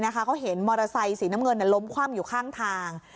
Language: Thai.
เขาเห็นมอเตอร์ไซค์สีน้ำเงินล้มคว่ำอยู่ข้างทาง